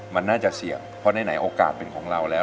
มันน่าจะเสี่ยงเพราะไหนโอกาสเป็นของเราแล้ว